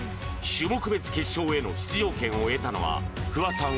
種目別決勝への出場権を得たのは、不破さん